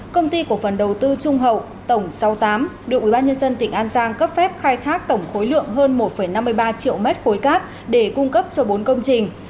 công ty cổ phần đầu tư trung hậu tổng sáu mươi tám được ubnd tỉnh an giang cấp phép khai thác tổng khối lượng hơn một năm mươi ba triệu mét khối cát để cung cấp cho bốn công trình